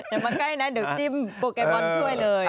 อย่ามาใกล้นะเดี๋ยวจิ้มโปะแกบอนช่วยเลย